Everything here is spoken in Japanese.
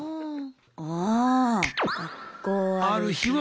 あ学校ある日は。